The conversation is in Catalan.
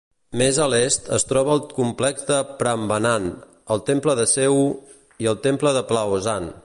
Més a l'est es troba el complex de Prambanan, el temple de Sewu i el temple de Plaosan.